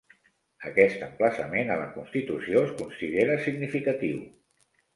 Aquest emplaçament a la Constitució es considera significatiu.